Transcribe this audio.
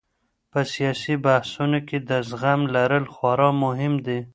په سياسي بحثونو کي د زغم لرل خورا مهم دي.